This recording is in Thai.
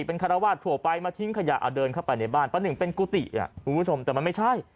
เป็นคารวาสถั่วไปมาทิ้งขยะเอาเดินเข้าไปในบ้านป้าหนึ่งเป็นกุฏิคุณผู้ชมแต่มันไม่ใช่